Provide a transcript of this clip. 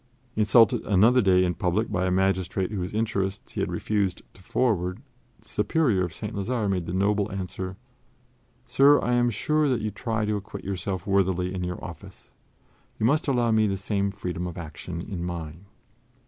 Insulted another day in public by a magistrate whose interests he had refused to forward, the Superior of St. Lazare made the noble answer: "Sir, I am sure that you try to acquit yourself worthily in your office; you must allow me the same freedom of action in mine."